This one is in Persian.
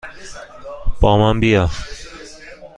با من بیا!